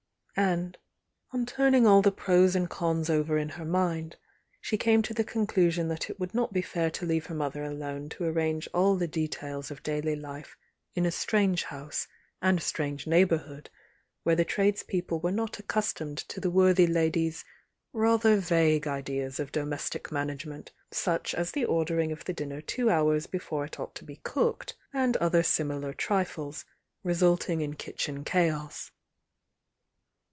And, on turning all the pros and cons over m her mind, she ca.>rit to the conclusion that it would not be fair to ieave her mother alone to arrange all the details of daily life in a strange house and strange neighbourhood where the tradespeople were not accustomed to the worthy lady's rather vague ideas of domestic management, such as the ordering of the dinner two hours before it ought to be cooked, and other similar trifles, resulting in kitchen chaos.